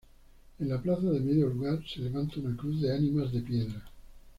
En la plaza de Medio Lugar, se levanta una cruz de ánimas de piedra.